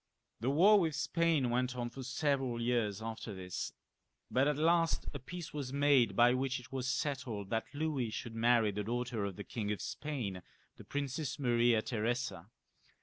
'The ™^ Spain L. o„ for ill y»„ .«« this, but at last a peace was made, by which it was settled that Louis should marry the daughter of the King of Spain, the princess Maria Theresa.